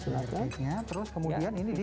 layer cake nya terus kemudian ini dimasak